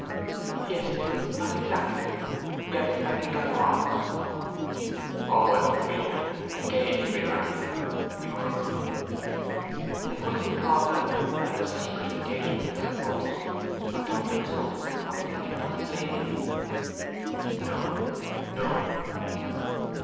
'Yes but not exactly. Yet I think I was.' 'O Elfride, engaged to be married!' he murmured. 'It would have been called a secret engagement, I suppose. But don't look so disappointed; don't blame me.' 'No, no.